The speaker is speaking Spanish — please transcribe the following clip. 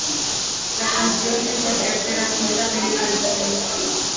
La canción es la tercera pista del álbum.